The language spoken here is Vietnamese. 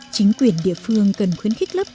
chính quyền địa phương cần khuyến khích lớp học